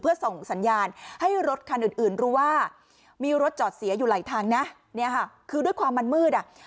เพื่อส่งสัญญาณให้รถคันอื่นอื่นรู้ว่ามีรถจอดเสียอยู่หลายทางนะเนี่ยค่ะคือด้วยความมันมืดอ่ะ